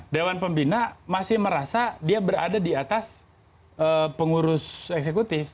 dewan pembina masih merasa dia berada di atas pengurus eksekutif